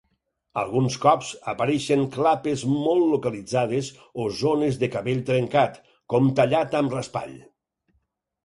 Alguns cops apareixen clapes molt localitzades o zones de cabell trencat, com tallat amb raspall.